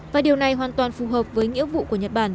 và điều này hoàn toàn phù hợp với nghĩa vụ của nhật bản